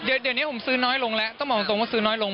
เดี๋ยวนี้ผมซื้อน้อยลงแล้วต้องบอกตรงว่าซื้อน้อยลง